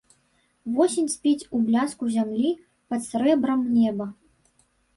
Восень спіць у бляску зямлі пад срэбрам неба.